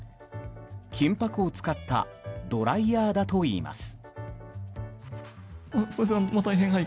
金箔を使ったドライヤーだといいます。